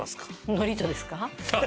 のりとですか？